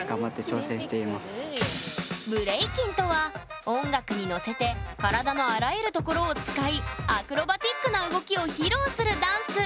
ブレイキンとは音楽にのせて体のあらゆるところを使いアクロバティックな動きを披露するダンス。